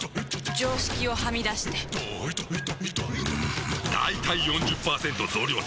常識をはみ出してんだいたい ４０％ 増量作戦！